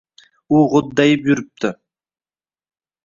U g’o’ddayib yuribdi.